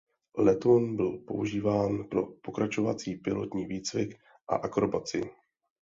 Letoun byl používán pro pokračovací pilotní výcvik a akrobacii.